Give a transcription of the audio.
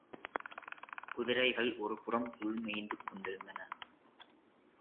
குதிரைகள் ஒருபுறம் புல்மேய்ந்து கொண்டிருந்தன.